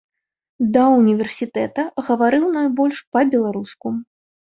«Да ўніверсітэта гаварыў найбольш па-беларуску.